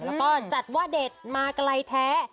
แล้วก็จัดว่าเดชมากลายแท้